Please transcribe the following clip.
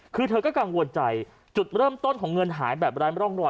คือเธอก็กังวลใจจุดเริ่มต้นของเงินหายแบบไร้ร่องรอย